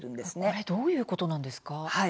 これどういうことなんですか？